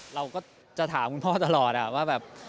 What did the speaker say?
เราก็จะถามคุณพ่อตลอดว่าแบบ